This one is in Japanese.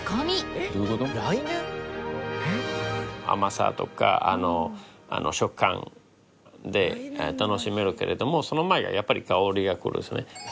甘さとか食感で楽しめるけれどもその前がやっぱり香りがくるんですね。